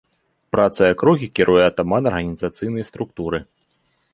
Працай акругі кіруе атаман арганізацыйнай структуры.